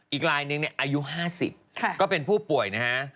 อีกลายนึงอายุ๕๐ก็เป็นผู้ป่วยนะฮะ